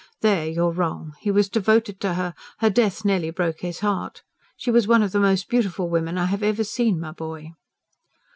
"There you're wrong. He was devoted to her. Her death nearly broke his heart. She was one of the most beautiful women I have ever seen, my boy."